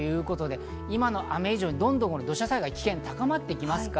今の雨以上に土砂災害の危険が高まっていきます。